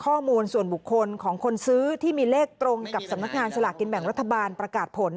ข้อมูลส่วนบุคคลของคนซื้อที่มีเลขตรงกับสำนักงานสลากกินแบ่งรัฐบาลประกาศผล